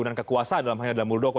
dan kekuasaan dalam halnya adalah muldoko